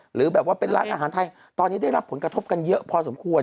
หรือแบบว่าเป็นร้านอาหารไทยตอนนี้ได้รับผลกระทบกันเยอะพอสมควร